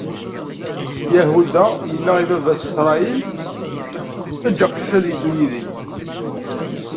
Yahuda yenna i baba-s, Isṛayil: Eǧǧ aqcic ad iddu yid-i.